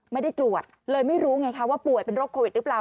ไม่ได้ตรวจเลยไม่รู้ไงคะว่าป่วยเป็นโรคโควิดหรือเปล่า